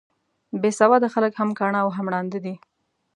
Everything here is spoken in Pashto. بې سواده خلک هم کاڼه او هم ړانده دي.